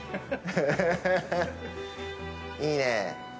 いいね。